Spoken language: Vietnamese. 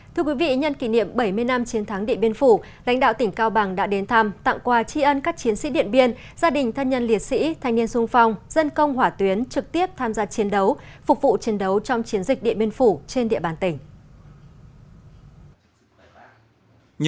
thưa quý vị nhân kỷ niệm bảy mươi năm chiến thắng địa biên phủ lãnh đạo tỉnh cao bằng đã đến thăm tặng quà tri ân các chiến sĩ điện biên gia đình thân nhân liệt sĩ thanh niên sung phong dân công hỏa tuyến trực tiếp tham gia chiến đấu phục vụ chiến đấu trong chiến dịch điện biên phủ trên địa bàn tỉnh